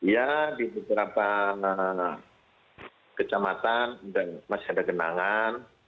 ya di beberapa kecamatan masih ada genangan